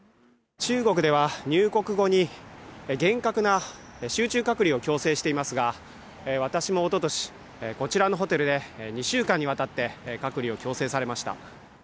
中国では入国後に厳格な集中隔離を強制していますが私もおととしこちらのホテルで２週間にわたって隔離を強制されました